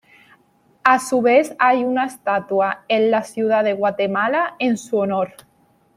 A su vez hay una estatua en la ciudad de Guatemala en su honor.